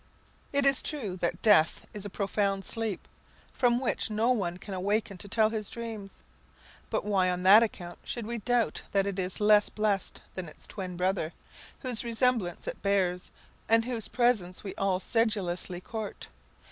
It is true that death is a profound sleep, from which no one can awaken to tell his dreams. But why on that account should we doubt that it is less blessed than its twin brother, whose resemblance it bears, and whose presence we all sedulously court?